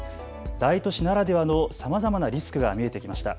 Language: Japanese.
大都市ならではの、さまざまなリスクが見えてきました。